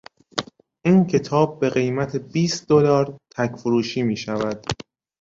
این کتاب به قیمت بیست دلار تک فروشی میشود.